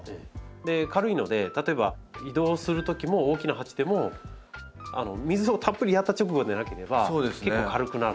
軽いので例えば移動するときも大きな鉢でも水をたっぷりやった直後でなければ結構軽くなるので。